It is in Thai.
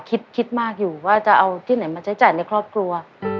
คิดคิดมากอยู่ว่าจะเอาที่ไหนมาใช้จ่ายในครอบครัว